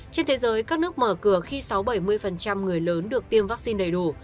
trên thế giới các nước mở cửa khi sáu bảy mươi người lớn được tiêm vaccine đầy đủ